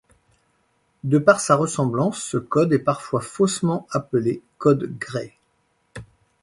De par sa ressemblance ce code est parfois faussement appelé code Gray.